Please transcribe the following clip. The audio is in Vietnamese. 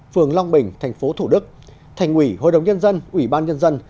phường long bình thành phố thủ đức thành ủy hội đồng nhân dân ủy ban nhân dân